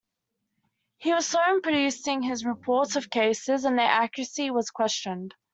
He was slow in producing his reports of cases and their accuracy was questioned.